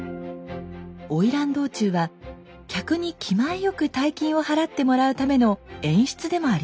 花魁道中は客に気前よく大金を払ってもらうための演出でもありました。